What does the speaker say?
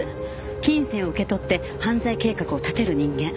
金銭を受け取って犯罪計画を立てる人間。